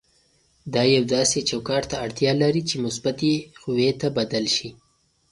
دا یو داسې چوکاټ ته اړتیا لري چې مثبتې قوې ته بدل شي.